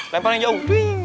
lempar yang jauh